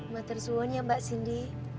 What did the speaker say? matersuon ya mbak sindi